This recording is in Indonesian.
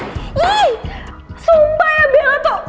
ih sumpah ya bella